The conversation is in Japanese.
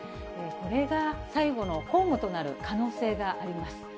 これが最後の公務となる可能性があります。